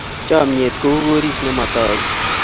Chomnyet kou koris ne matogu.